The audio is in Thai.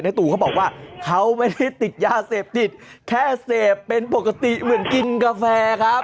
ตู่เขาบอกว่าเขาไม่ได้ติดยาเสพติดแค่เสพเป็นปกติเหมือนกินกาแฟครับ